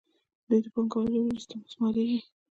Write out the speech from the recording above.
دوی د پانګوالو له لوري استثمارېږي